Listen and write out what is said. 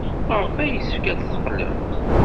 Maɣef ay yessefk ad teqqlem?